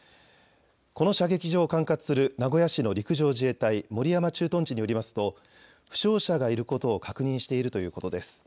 この射撃場を管轄する名古屋市の陸上自衛隊守山駐屯地によりますと負傷者がいることを確認しているということです。